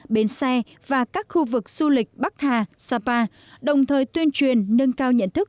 bến xe và các khu vực du lịch bắc hà sapa đồng thời tuyên truyền nâng cao nhận thức